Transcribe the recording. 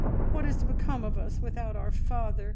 What is to become of us without our father?